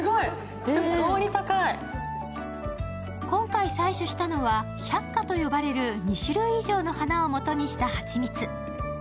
今回採取したのは、百花と呼ばれる２種類以上の花をもとにしたはちみつ。